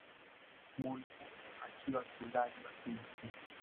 nguri huyo akiwa mchezaji wa timu hiyo